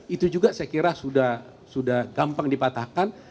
itu juga saya kira sudah gampang dipatahkan